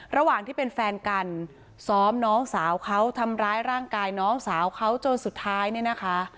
ระหว่างที่เป็นแฟนกันซ้อมน้องสาวเขาทำร้ายร่างกายน้องสาวเขาจนสุดท้ายเนี่ยนะคะ